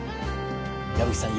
矢吹さん